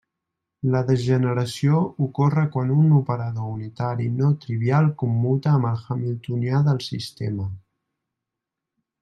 La degeneració ocorre quan un operador unitari no trivial commuta amb el hamiltonià del sistema.